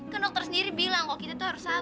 kan dokter sendiri bilang kok kita tuh harus salah